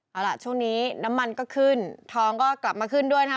เอาล่ะช่วงนี้น้ำมันก็ขึ้นทองก็กลับมาขึ้นด้วยนะฮะ